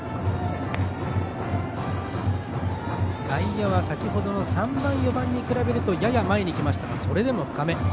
外野は先ほどの３番、４番に比べるとやや前に来ましたがそれでも深め。